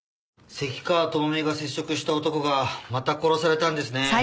関川朋美が接触した男がまた殺されたんですね。